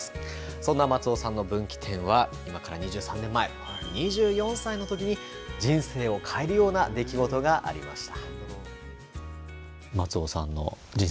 そんな松尾さんの分岐点は、今から２３年前、２４歳のときに人生を変えるような出来事がありました。